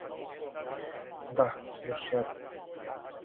Да, још једно.